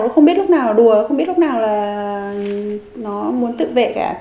nó không biết lúc nào là đùa không biết lúc nào là nó muốn tự vệ cả